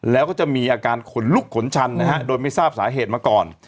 แล้วก็จะมีอาการขนลุกขนชันนะฮะโดยไม่ทราบสาเหตุมาก่อน